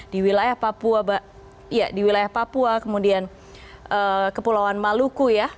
di wilayah papua kemudian kepulauan maluku ya